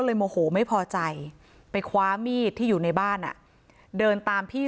โมโหไม่พอใจไปคว้ามีดที่อยู่ในบ้านเดินตามพี่